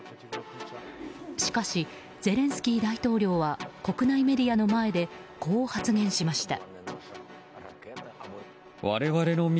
しかし、ゼレンスキー大統領は国内メディアの前でこう発言しました。